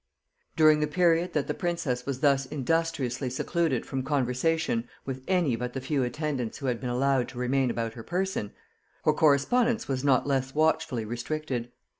During the period that the princess was thus industriously secluded from conversation with any but the few attendants who had been allowed to remain about her person, her correspondence was not less watchfully restricted.